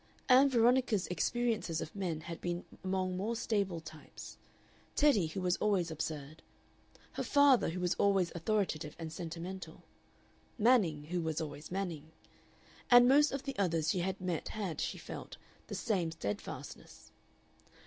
Ann Veronica's experiences of men had been among more stable types Teddy, who was always absurd; her father, who was always authoritative and sentimental; Manning, who was always Manning. And most of the others she had met had, she felt, the same steadfastness.